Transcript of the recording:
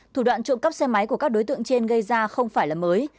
thủ đoạn trộm cắp xe máy của các đối tượng trên gây ra không phải là mới